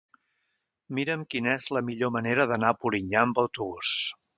Mira'm quina és la millor manera d'anar a Polinyà amb autobús.